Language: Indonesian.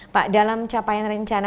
pak dalam capaian rencana